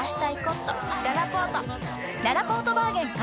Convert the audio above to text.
ららぽーとバーゲン開催！